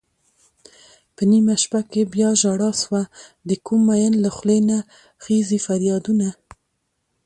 په نېمه شپه کې بياژړا سوه دکوم مين له خولې نه خيژي فريادونه